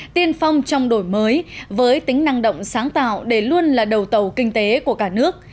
tiên phong trong đổi mới với tính năng động sáng tạo để luôn là đầu tàu kinh tế của cả nước